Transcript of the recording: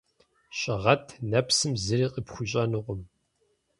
Щыгъэт, нэпсым зыри къыпхуищӀэнукъым.